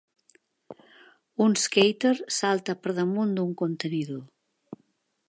Un skater salta per damunt d'un contenidor